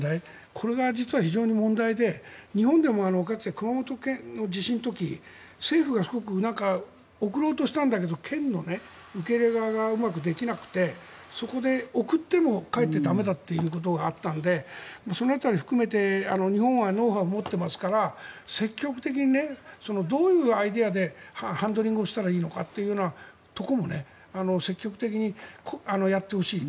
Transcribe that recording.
これが実は非常に問題で日本でもかつて熊本県の地震の時政府が送ろうとしたんだけど県の受け入れ側がうまくできなくてそこで、送ってもかえって駄目だということがあったのでその辺りを含めて日本はノウハウを持っていますから積極的にどういうアイデアでハンドリングをしたらいいのかというところも積極的にやってほしい。